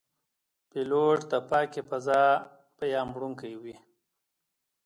پیلوټ د پاکې فضا پیاموړونکی وي.